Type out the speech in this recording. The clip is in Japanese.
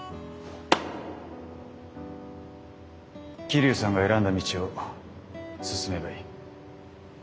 桐生さんが選んだ道を進めばいい。